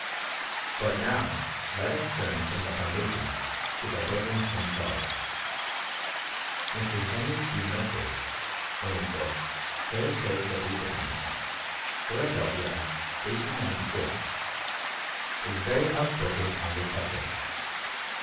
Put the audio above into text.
But now let us turn from the foundations to the buildings themselves. Mr. Henry C. Mercer, in his book Hill Caves of Yucatan (Philadelphia, 1896), is very outspoken on this subject.